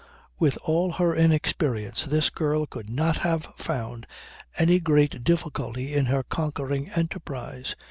With all her inexperience this girl could not have found any great difficulty in her conquering enterprise.